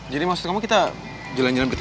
jadi maksud kamu kita jalan jalan ketiga